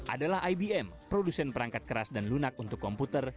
adalah ibm produsen perangkat keras dan lunak untuk komputer